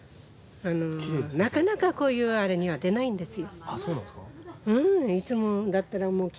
なかなかこういうあれには出ないんですよ。